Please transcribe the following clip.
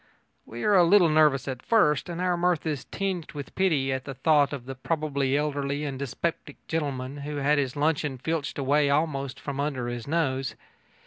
We are a little nervous at first, and our mirth is tinged with pity at the thought of the probably elderly and dyspeptic gentleman who has had his luncheon filched away almost from under his nose.